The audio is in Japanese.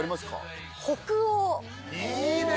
いいね！